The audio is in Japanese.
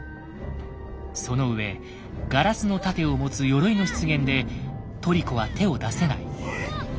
そのうえガラスの盾を持つヨロイの出現でトリコは手を出せない。